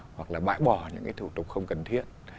hoặc là bãi bỏ những cái thủ tục không cần thiết